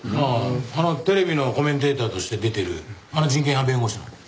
あああのテレビのコメンテーターとして出てるあの人権派弁護士の？